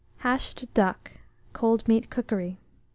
HASHED DUCK (Cold Meat Cookery).